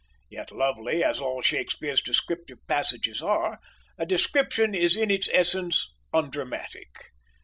Yet lovely as all Shakespeare's descriptive passages are, a description is in its essence undramatic.